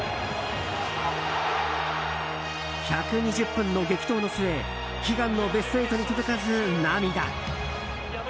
１２０分の激闘の末悲願のベスト８に届かず、涙。